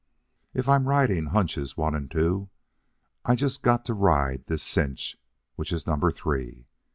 If I'm riding hunches one and two, I just got to ride this cinch, which is number three.